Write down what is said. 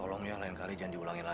papa benar benar gila